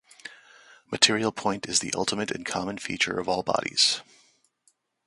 Material point is the ultimate and common feature of all bodies.